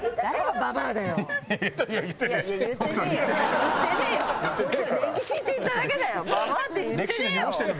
「ババア」って言ってねえよ。